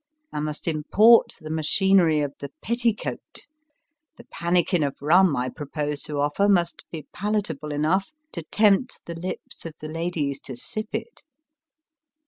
I must import the machinery of the petticoat. The pannikin of rum I proposed to offer must be palatable enough to tempt the lips of the ladies to sip it.